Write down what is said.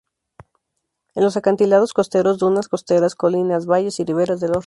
En los acantilados costeros, dunas costeras, colinas, valles y riberas de los ríos.